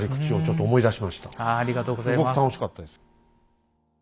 すごく楽しかったです。